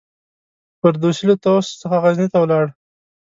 فردوسي له طوس څخه غزني ته ولاړ.